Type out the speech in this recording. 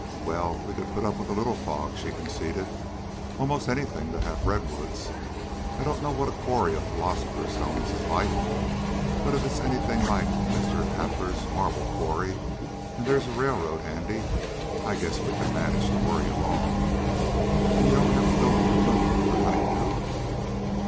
"Well, we could put up with a little fog," she conceded, " almost anything to have redwoods. I don't know what a quarry of philosopher's stones is like, but if it's anything like Mr. Hafler's marble quarry, and there's a railroad handy, I guess we could manage to worry along. And you don't have to go to the moon for honey dew.